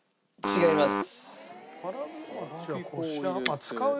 違います。